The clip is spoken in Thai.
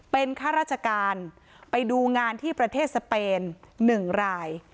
เป็นข้าราชการไปดูงานที่ประเทศสเปน๑ราย